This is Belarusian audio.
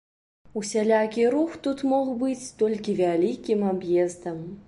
Усялякі рух тут мог быць толькі вялікім аб'ездам.